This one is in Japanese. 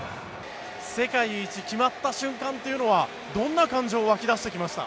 世界一決まった瞬間というのは、どんな感情が沸き出してきました？